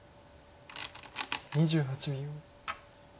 ２８秒。